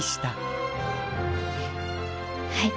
はい。